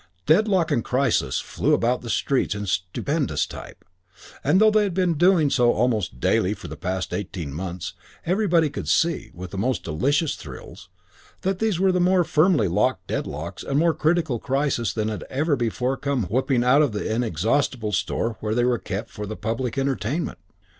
Deadlock and Crisis flew about the streets in stupendous type; and though they had been doing so almost daily for the past eighteen months, everybody could see, with the most delicious thrills, that these were more firmly locked deadlocks and more critical crises than had ever before come whooping out of the inexhaustible store where they were kept for the public entertainment.